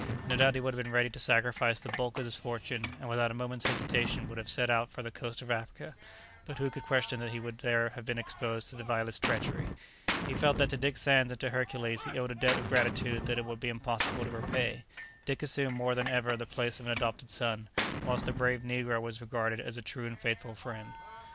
No doubt he would have been ready to sacrifice the bulk of his fortune, and without a moment's hesitation would have set out for the coast of Africa, but who could question that he would there have been exposed to the vilest treachery? He felt that to Dick Sands and to Hercules he owed a debt of gratitude that it would be impossible to repay; Dick assumed more than ever the place of an adopted son, whilst the brave negro was regarded as a true and faithful friend.